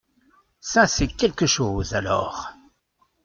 Ça c’est quelque choses alors.